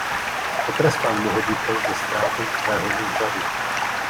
Potrestán mohl být pouze ztrátou svého úřadu.